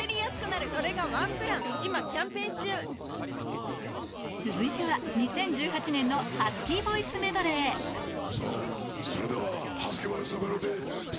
さらに続いては２０１８年のハスキーボイスメドレーさぁそれでは。